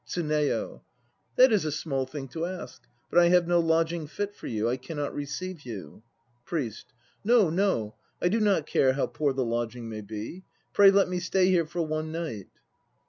TSUNEYO. That is a small thing to ask; but I have no lodging fit for you; I cannot receive you. PRIEST. No, no. I do not care how poor the lodging may be. Pray let me stay here for one night.